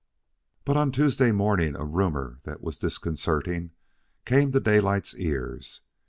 But on Tuesday morning a rumor that was disconcerting came to Daylight's ears.